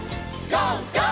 ＧＯ！